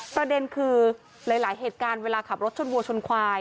ประเด็นคือหลายเหตุการณ์เวลาขับรถชนวัวชนควาย